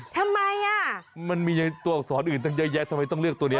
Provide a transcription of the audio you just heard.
ทำไมอ่ะมันมีตัวอักษรอื่นตั้งเยอะแยะทำไมต้องเลือกตัวนี้